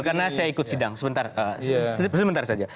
karena saya ikut sidang sebentar